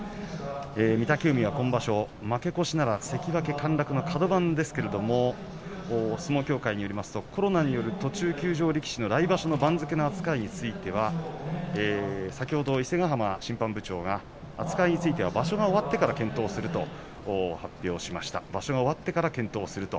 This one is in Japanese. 御嶽海は今場所、負け越しなら関脇陥落のカド番ですけれども相撲協会によりますとコロナによる途中休場力士の来場所の番付の扱いについては先ほど伊勢ヶ濱審判部長が扱いについては場所が終わってから検討すると発表しました。